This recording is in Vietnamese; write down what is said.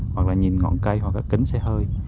hoặc là nhìn ngọn cây hoặc là kính xe hơi